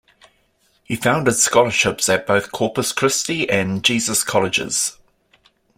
He founded scholarships at both Corpus Christi and Jesus Colleges.